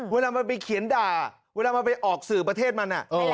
เวลามันไปเขียนด่าเวลามันไปออกสื่อประเทศมัน